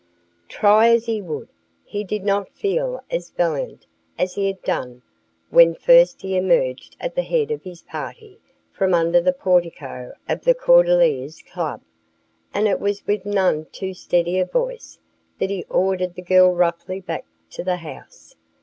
Try as he would, he did not feel as valiant as he had done when first he emerged at the head of his party from under the portico of the Cordeliers Club, and it was with none too steady a voice that he ordered the girl roughly back to the house.